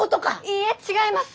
いいえ違います！